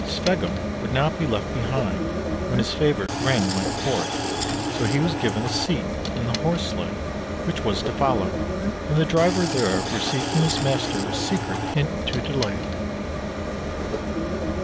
Sveggum would not be left behind when his favorite Ren went forth, so he was given a seat in the horse sleigh which was to follow, and the driver thereof received from his master a secret hint to delay.